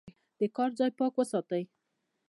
د کار ځای پاک وساتئ.